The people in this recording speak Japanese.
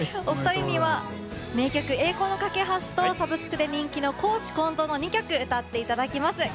お二人には名曲「栄光の架橋」とサブスクで人気の「公私混同」の２曲を歌っていただきます。